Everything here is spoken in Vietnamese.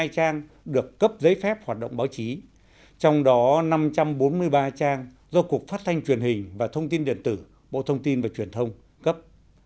hai trang được cấp giấy phép hoạt động báo chí trong đó năm trăm bốn mươi ba trang do cục phát thanh truyền hình và thông tin điện tử bộ thông tin và truyền thông cấp